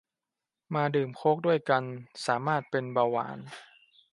มาดื่มโค้กด้วยกันสามารถเป็นเบาหวาน